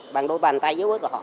bằng đôi bàn tay yếu ớt của họ